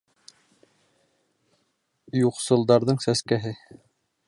Юҡсылдарҙың сәскәһе.